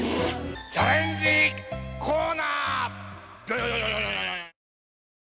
チャレンジコーナー。